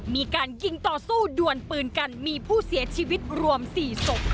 มีการยิงต่อสู้ดวนปืนกันมีผู้เสียชีวิตรวม๔ศพ